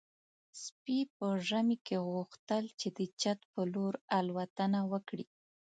سپي په ژمي کې غوښتل چې د چت په لور الوتنه وکړي.